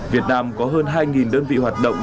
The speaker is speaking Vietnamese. việt nam có hơn hai đơn vị hoạt động